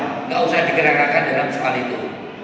tidak usah dikenakan dalam soal itu